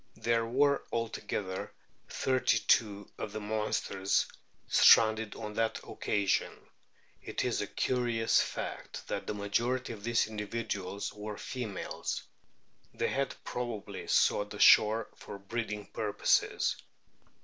There were altogether thirty two of the monsters stranded on that occasion. It is a curious fact that the majority of these individuals were females. They had probably sought the shore for breeding purposes.